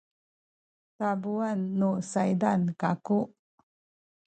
tabuan nu saydan kaku